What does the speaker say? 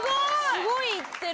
すごい行ってる！